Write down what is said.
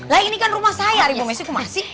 lah ini kan rumah saya ribu messi aku masih